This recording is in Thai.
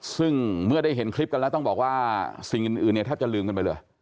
ซึ่งเมื่อได้เห็นคลิปกันแล้วต้องบอกว่าสิ่งอื่นเนี่ยแทบจะลืมกันไปเลย